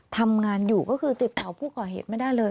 ทำงานอยู่ก็คือติดต่อผู้ก่อเหตุไม่ได้เลย